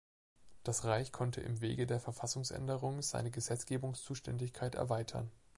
Das Reich konnte im Wege der Verfassungsänderung seine Gesetzgebungszuständigkeit erweitern.